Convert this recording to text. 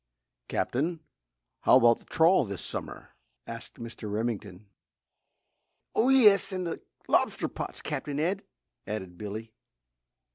"Captain, how about the trawl this summer?" asked Mr. Remington. "Oh, yes and the lobster pots, Captain Ed?" added Billy.